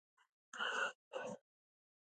ازادي راډیو د اقلیم په اړه د مجلو مقالو خلاصه کړې.